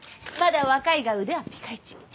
まだ若いが腕はピカイチ。